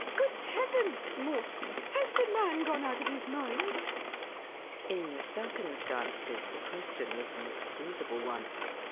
Good heavens, Mawson, has the man gone out of his mind?" In the circumstances the question was an excusable one.